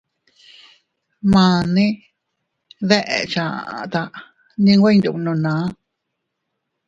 Mane deʼecha aʼa taa ndi nwe ndubnuna.